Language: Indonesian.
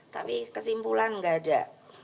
tapi kesimpulan nggak ada